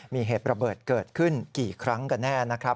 มีเหตุระเบิดเกิดขึ้นกี่ครั้งกันแน่นะครับ